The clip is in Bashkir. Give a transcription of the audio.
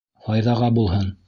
Файҙаға булһын!